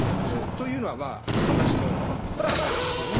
というのは、私の考えなんですけどね。